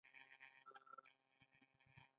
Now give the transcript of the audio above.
مورګان هم پر دې موضوع باندې ښه پوهېده